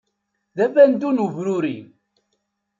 D abandu n ubruri.